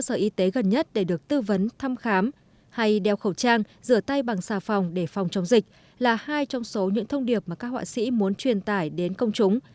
cơ sở y tế gần nhất để được tư vấn thăm khám hay đeo khẩu trang rửa tay bằng xà phòng để phòng chống dịch là hai trong số những thông điệp mà các họa sĩ muốn truyền tải đến công chúng